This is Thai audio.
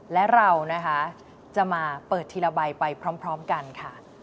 และเรานะคะจะมาเปิดทีละใบไปพร้อมกันค่ะ